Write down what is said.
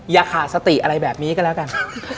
อย่าขาดสติอะไรแบบนี้ก็แล้วกัน